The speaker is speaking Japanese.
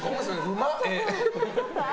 うまっ、絵。